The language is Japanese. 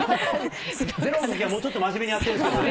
ＺＥＲＯのときはもうちょっと真面目にやってるんですけどね。